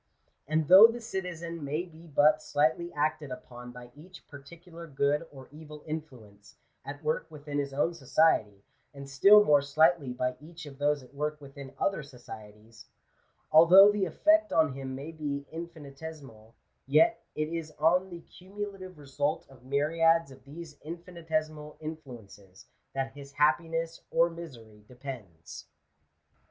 And though the citizen may be but slightly acted upon by each particular good or evil influence, at work within his own society, and still more slightly by each of those at work within other societies — although the effect on him may be infinitesimal, yet it is on the cumulative result of myriads of these infinitesimal influences that his happiness or misery depends.